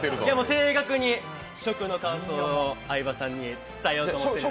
正確に食の感想を相葉さんに伝えたいと思います。